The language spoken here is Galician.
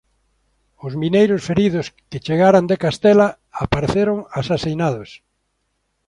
Os mineiros feridos que chegaran de Castela apareceron asasinados.